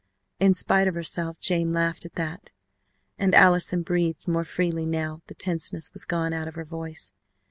In spite of herself Jane laughed at that, and Allison breathed more freely now the tenseness was gone out of her voice.